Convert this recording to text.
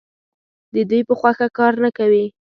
د دوی په خوښه کار نه کوي.